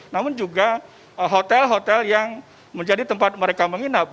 namun juga hotel hotel yang menjadi tempat mereka menginap